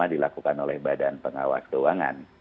yang dilakukan oleh badan pengawas doangan